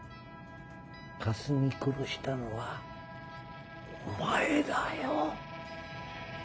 かすみ殺したのはお前だよ。